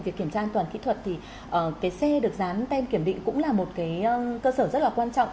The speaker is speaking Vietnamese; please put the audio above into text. việc kiểm tra an toàn kỹ thuật thì cái xe được dán tem kiểm định cũng là một cái cơ sở rất là quan trọng